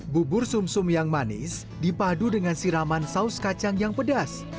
bubur sum sum yang manis dipadu dengan siraman saus kacang yang pedas